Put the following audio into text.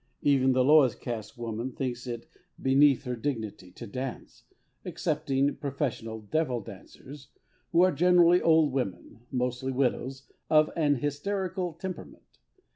Even the lowest caste woman thinks it beneath her dignity to dance, excepting professional devil dancers, who are generally old women, mostly widows, of an hysterical temperament.